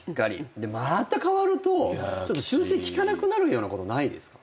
でまた変わると修正きかなくなるようなことないですか？